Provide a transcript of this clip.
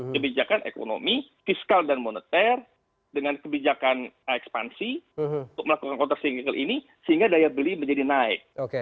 kebijakan ekonomi fiskal dan moneter dengan kebijakan ekspansi untuk melakukan counter single ini sehingga daya beli menjadi naik